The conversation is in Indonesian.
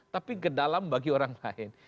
tapi ke dalam bagi orang lain